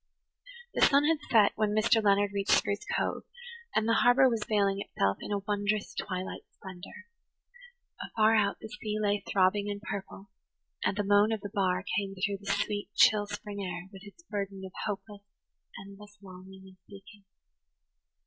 The sun had set when Mr. Leonard reached Spruce Cove, and the harbour was veiling itself in a wondrous twilight splendour. Afar out, the sea lay throbbing and purple, and the moan of the bar came through the sweet, chill spring air with its burden of hopeless, endless longing and seeking.